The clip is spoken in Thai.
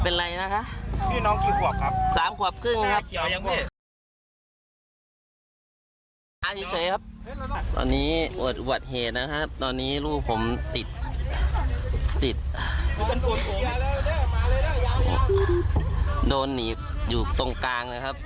ภายาคนเก่งนะคะตอนนี้เขาไม่ร้องเลยนะฮะ